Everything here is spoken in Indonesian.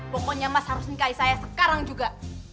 pokoknya mas harus nikah saya sekarang juga